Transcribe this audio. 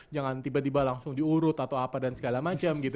jangan tiba tiba langsung diurut atau apa dan segala macam gitu